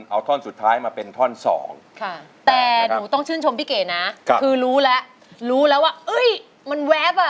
เอาท่อนสุดท้ายมาเป็นท่อนสองแต่หนูต้องชื่นชมพี่เก๋นะคือรู้แล้วรู้แล้วว่ามันแวบอ่ะ